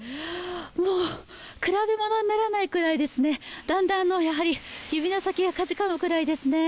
もう、比べものにならないくらいだんだん指の先がかじかむくらいですね。